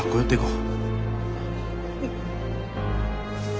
うん。